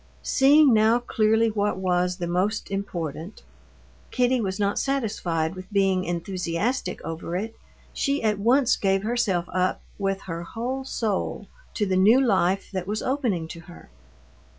Seeing now clearly what was the most important, Kitty was not satisfied with being enthusiastic over it; she at once gave herself up with her whole soul to the new life that was opening to her.